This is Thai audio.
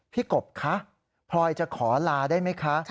กบคะพลอยจะขอลาได้ไหมคะ